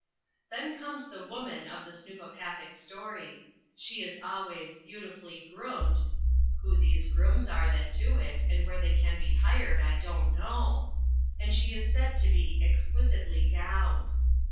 Then comes The Woman of the snoopopathic story. She is always "beautifully groomed" (who these grooms are that do it, and where they can be hired, I don't know), and she is said to be "exquisitely gowned."